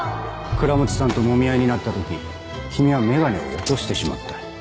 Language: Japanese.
倉持さんともみ合いになった時君はメガネを落としてしまった。